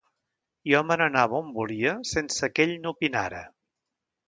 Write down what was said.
Jo me n'anava on volia sense que ell n'opinara.